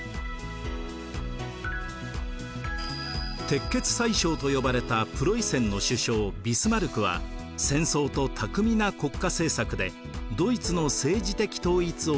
鉄血宰相と呼ばれたプロイセンの首相ビスマルクは戦争と巧みな国家政策でドイツの政治的統一を成し遂げます。